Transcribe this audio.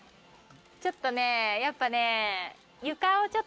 ちょっとやっぱね。